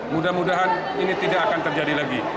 mudah mudahan ini tidak akan terjadi lagi